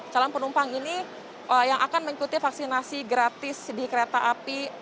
calon penumpang ini yang akan mengikuti vaksinasi gratis di kereta api